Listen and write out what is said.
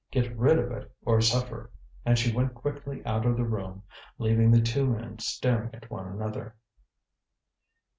Get rid of it, or suffer." And she went quickly out of the room, leaving the two men staring at one another.